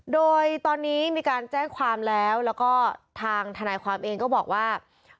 โดยตอนนี้มีการแจ้งความแล้วแล้วก็ทางทนายความเองก็บอกว่า